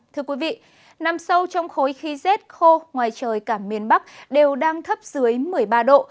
thưa quý vị nằm sâu trong khối khi rét khô ngoài trời cả miền bắc đều đang thấp dưới một mươi ba độ